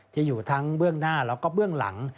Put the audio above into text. ที่อยู่ทั้งเบื้องหน้าแล้วก็เบื้องหลัง